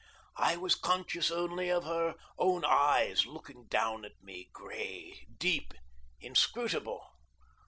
I was conscious only of her own eyes looking down at me, gray, deep, inscrutable.